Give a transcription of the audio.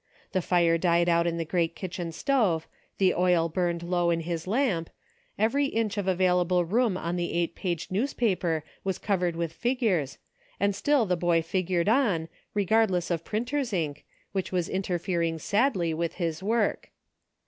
The fire died out in the great kitchen stove, the oil burned low in his lamp, every inch of avail able room on the eight page newspaper was covered with figures, and still the boy figured on, regardless of printer's ink, \yhich was interfering sadly with his work.